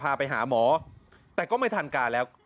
พาไปหาหมอแต่ก็ไม่ทันการแล้ว